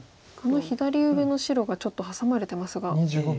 あの左上の白がちょっとハサまれてますが。